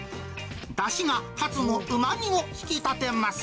だしが、かつのうまみを引き立てます。